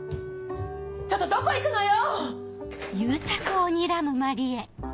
ちょっとどこ行くのよ！